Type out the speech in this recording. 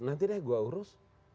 nanti deh gua urus